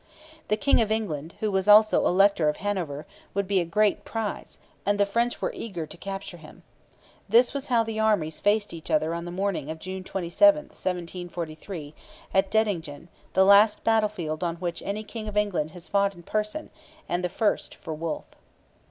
The King of England, who was also Elector of Hanover, would be a great prize, and the French were eager to capture him. This was how the armies faced each other on the morning of June 27, 1743, at Dettingen, the last battlefield on which any king of England has fought in person, and the first for Wolfe.